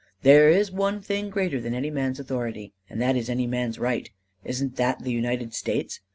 There is one thing greater than any man's authority, and that is any man's right. Isn't that the United States?